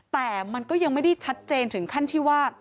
แต่มันก็ยังไม่ได้ชัดเจนถึงขั้นที่ว่า